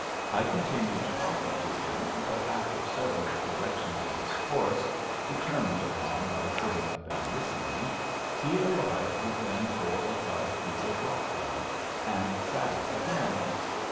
I continued talking to him until after several corrections of his course determined upon by sitting up and listening he arrived within four or five feet of Rockwell, and sat up again.